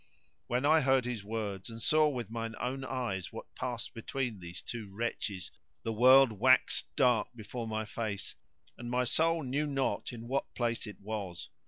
When I heard his words, and saw with my own eyes what passed between these two wretches, the world waxed dark before my face and my soul knew not in what place it was.